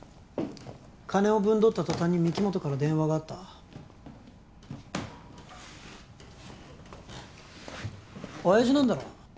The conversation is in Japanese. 金をぶんどったとたんに御木本から電話があった親爺なんだろ？